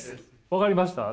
分かりました？